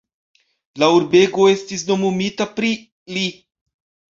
La urbego estis nomumita pri li.